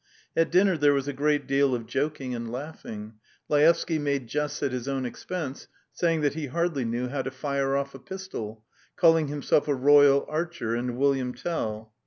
At dinner there was a great deal of joking and laughing. Laevsky made jests at his own expense, saying he hardly knew how to fire off a pistol, calling himself a royal archer and William Tell.